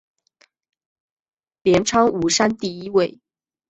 镰仓五山第一位。